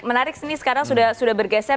menarik sih ini sekarang sudah bergeser